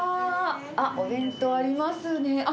お弁当ありますね。